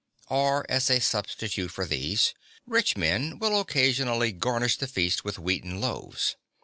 Or, as a substitute for these, rich men will occasionally garnish the feast with wheaten loaves.